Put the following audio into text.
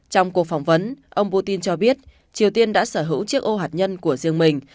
trong cuộc phỏng vấn ông putin cho biết triều tiên đã sở hữu chiếc ô hạt nhân của riêng mình